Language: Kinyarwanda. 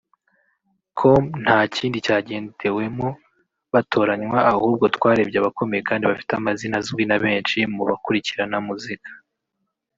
com ntakindi cyagendewemo batoranywa ahubwo twarebye abakomeye kandi bafite amazina azwi na benshi mu bakurikirana muzika